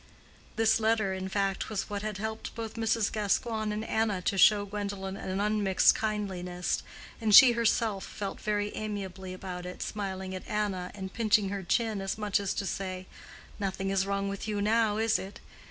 This letter, in fact, was what had helped both Mrs. Gascoigne and Anna to show Gwendolen an unmixed kindliness; and she herself felt very amiably about it, smiling at Anna, and pinching her chin, as much as to say, "Nothing is wrong with you now, is it?"